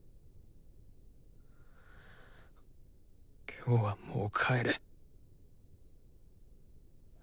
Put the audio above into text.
今日はもう帰れ。